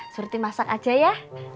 surti masak aja ya